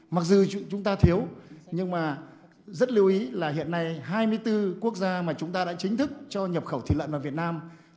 mặc dù chúng ta thiếu nhưng mà rất lưu ý là hiện nay hai mươi bốn quốc gia mà chúng ta đã chính thức cho nhập khẩu thịt lợn vào việt nam